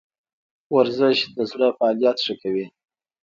ورزش د زړه فعالیت ښه کوي